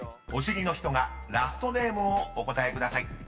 ［お尻の人がラストネームをお答えください］